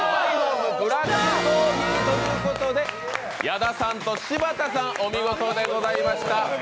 矢田さんと柴田さん、お見事でございました。